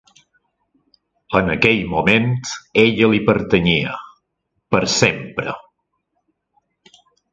En aquell moment ella li pertanyia, per sempre.